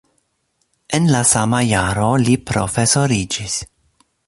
En la sama jaro li profesoriĝis.